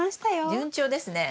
順調ですね。